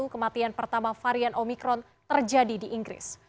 kematian pertama varian omikron terjadi di inggris